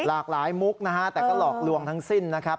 หลากหลายมุกนะฮะแต่ก็หลอกลวงทั้งสิ้นนะครับ